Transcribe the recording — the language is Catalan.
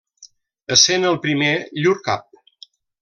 Essent el primer llur cap.